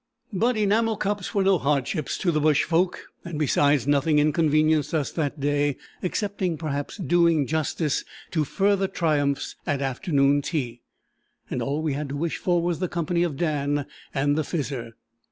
But enamel cups were no hardships to the bush folk, and besides, nothing inconvenienced us that day—excepting perhaps doing justice to further triumphs at afternoon tea; and all we had to wish for was the company of Dan and the Fizzer.